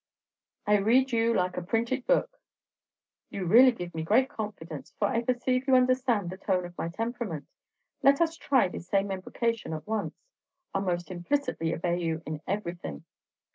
I read you like a printed book." "You really give me great confidence, for I perceive you understand the tone of my temperament. Let us try this same embrocation at once; I'll most implicitly obey you in everything."